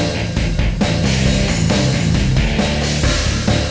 pertama kali kita ke sarawak